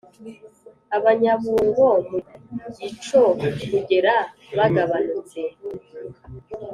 abanyabungo mugico kugera bagabanutse.